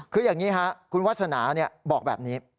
คืออย่างนี้ครับคุณวาสนาบอกแบบนี้